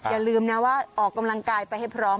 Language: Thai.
อย่าลืมนะว่าออกกำลังกายไปให้พร้อม